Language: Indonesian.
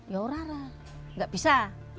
ya udah lah nggak bisa